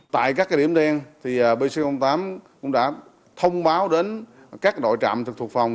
tại các cái điểm đen thì pc tám cũng đã thông báo đến các đội trạm thực thuộc phòng